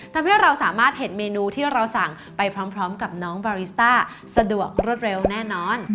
ทำให้เราสามารถเห็นเมนูที่เราสั่งไปพร้อมกับน้องบาริสต้าสะดวกรวดเร็วแน่นอน